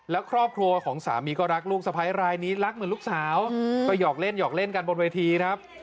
แล้วครอบครัวของสามีก็รักลูกสะพ้ายรายนี้รักเหมือนลูกสาวก็หยอกเล่นหยอกเล่นกันบนเวทีครับ